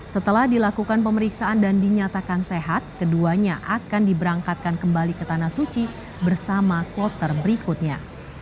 setelah dilakukan pemeriksaan dan dinyatakan sehat keduanya akan diberangkatkan kembali ke tanah suci bersama kloter berikutnya